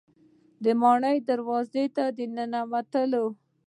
د ماڼۍ دروازې ته ننوتلو.